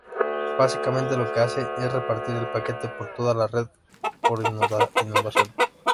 Básicamente lo que hace, es repartir el paquete por toda la red por inundación.